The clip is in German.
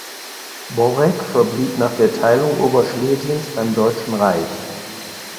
Borek verblieb nach der Teilung Oberschlesiens beim Deutschen Reich.